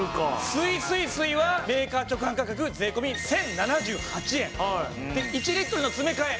すいすい水はメーカー直販価格税込１０７８円。で１リットルの詰め替え